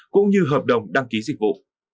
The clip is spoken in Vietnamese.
cũng như hợp đồng đăng ký dịch vụ